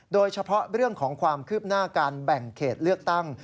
โดยเฉพาะเรื่องของความคืบหน้าการแบ่งเขตเลือกตั้ง